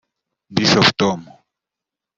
Bishop Tom